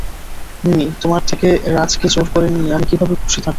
মিমি, তোমার থেকে রাজ-কে জোর করে নিয়ে, আমি কিভাবে খুশী থাকবো।